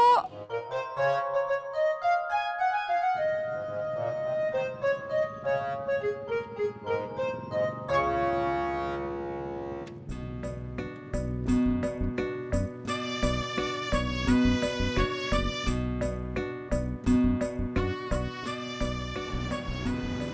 aku beli ada semua